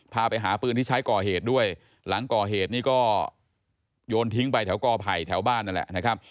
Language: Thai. พาไปหาปืนที่ใช้ก่อเหตุด้วยหลังก่อเหตุนี้ก็โยนทิ้งไปแถวกอไผ่แถวบ้านนั่นแหละนะครับ